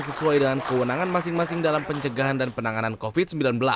sesuai dengan kewenangan masing masing dalam pencegahan dan penanganan covid sembilan belas